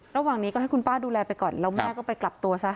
ระหว่างนี้ก็ให้คุณป้าดูแลไปก่อนแล้วแม่ก็ไปกลับตัวซะ